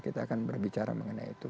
kita akan berbicara mengenai itu